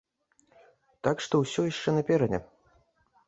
Так што ўсё яшчэ наперадзе!